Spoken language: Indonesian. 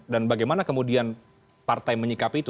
bagaimana kemudian partai menyikapi itu